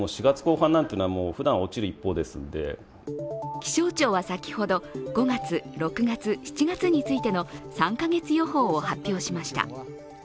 気象庁は先ほど５月、６月、７月についての３か月予報を発表しました。